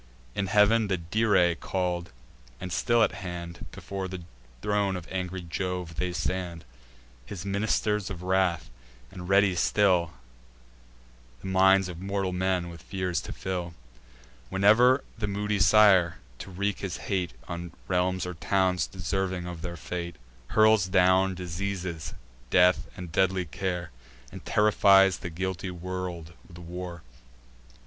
In heav'n the Dirae call'd, and still at hand, Before the throne of angry Jove they stand, His ministers of wrath, and ready still The minds of mortal men with fears to fill, Whene'er the moody sire, to wreak his hate On realms or towns deserving of their fate, Hurls down diseases, death and deadly care, And terrifies the guilty world with war.